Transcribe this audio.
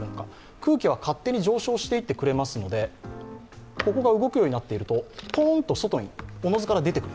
空気は勝手に上昇していってくれますのでここが動くようになっているとポンと外におのずと出ていってくれる。